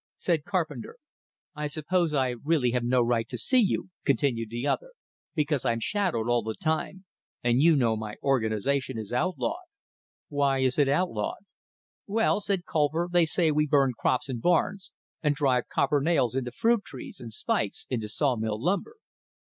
said Carpenter. "I suppose I really have no right to see you," continued the other, "because I'm shadowed all the time, and you know my organization is outlawed." "Why is it outlawed?" "Well," said Colver, "they say we burn crops and barns, and drive copper nails into fruit trees, and spikes into sawmill lumber."